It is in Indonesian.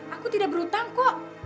aku tidak berhutang kok